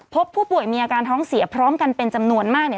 พบผู้ป่วยมีอาการท้องเสียพร้อมกันเป็นจำนวนมาก